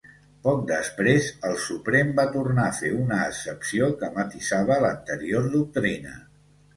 Poc després, el Suprem va tornar a fer una excepció que matisava l'anterior doctrina.